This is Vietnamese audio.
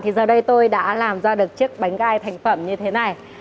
thì giờ đây tôi đã làm ra được chiếc bánh gai thành phẩm như thế này